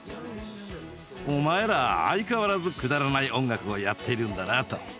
「お前ら相変わらずくだらない音楽をやっているんだな」と。